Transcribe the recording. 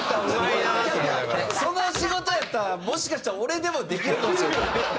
その仕事やったらもしかしたら俺でもできるかもしれんで。